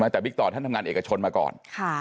แต่บิ๊กต่อท่านทำงานเอกชนมาก่อน